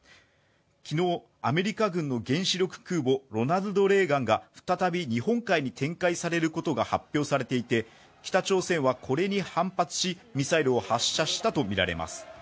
昨日、アメリカ軍の原子力空母「ロナルド・レーガン」が再び日本海に展開されることが発表されていて北朝鮮はこれに反発し、ミサイルを発射したとみられます。